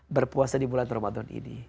berpuasa di bulan ramadan ini